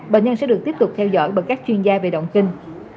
bệnh nhân sẽ được tiếp tục theo dõi bởi các chuyên gia về động kinh